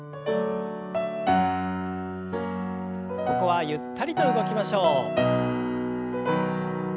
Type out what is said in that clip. ここはゆったりと動きましょう。